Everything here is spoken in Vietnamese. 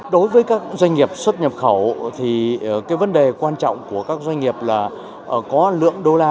đối với các doanh nghiệp xuất nhập khẩu thì cái vấn đề quan trọng của các doanh nghiệp là có lượng đô la